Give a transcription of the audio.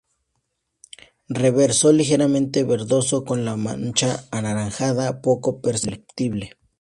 Reverso ligeramente verdoso, con la mancha anaranjada poco perceptible.